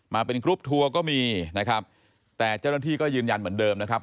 มาเป็นกรุ๊ปทัวร์ก็มีนะครับแต่เจ้าหน้าที่ก็ยืนยันเหมือนเดิมนะครับ